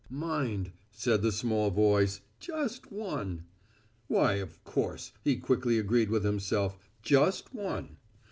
"Mind," said the small voice, "just one." Why of course, he quickly agreed with himself, just one.